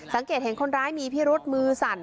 สังเกตเห็นคนร้ายมีพิรุษมือสั่น